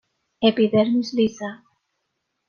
Epidermis lisa.